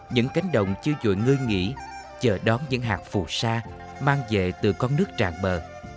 những cánh đồng chưa dội ngươi nghỉ chờ đón những hạt phù sa mang về từ con nước tràn bờ